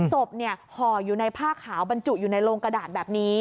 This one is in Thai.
ห่ออยู่ในผ้าขาวบรรจุอยู่ในโรงกระดาษแบบนี้